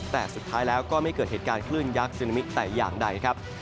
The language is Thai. แต่สุดท้ายแล้วก็ไม่เกิดเหตุการณ์คลื่นยักษ์ซึนามิแต่อย่างใดครับ